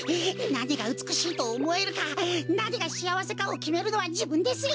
なにがうつくしいとおもえるかなにがしあわせかをきめるのはじぶんですよ。